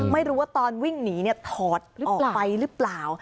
ไม่รู้ว่าตอนวิ่งหนีถอดออกไปหรือเปล่า